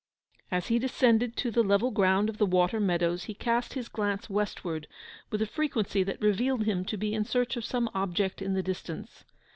As he descended to the level ground of the water meadows he cast his glance westward, with a frequency that revealed him to be in search of some object in the distance.